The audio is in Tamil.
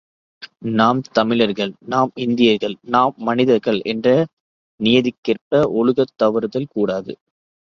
நாம் தமிழர்கள், நாம் இந்தியர்கள், நாம் மனிதர்கள் என்ற நியதிக்கேற்ப ஒழுகத் தவறுதல் கூடாது.